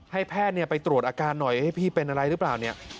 ให้แพทย์ไปตรวจอาการหน่อยให้พี่เป็นอะไรหรือเปล่าเนี่ย